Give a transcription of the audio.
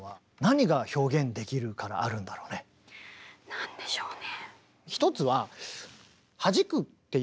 何でしょうね。